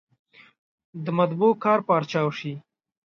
د مطبعو کار پارچاو شي.